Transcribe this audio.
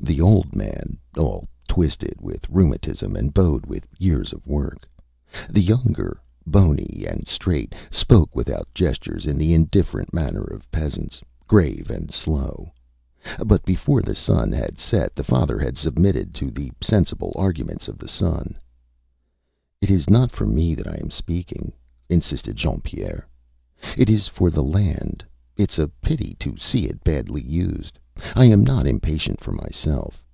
The old man, all twisted with rheumatism and bowed with years of work, the younger bony and straight, spoke without gestures in the indifferent manner of peasants, grave and slow. But before the sun had set the father had submitted to the sensible arguments of the son. ÂIt is not for me that I am speaking,Â insisted Jean Pierre. ÂIt is for the land. ItÂs a pity to see it badly used. I am not impatient for myself.